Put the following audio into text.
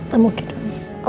mama cepet sembuh ya